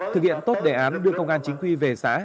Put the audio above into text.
thực hiện tốt đề án đưa công an chính quy về xã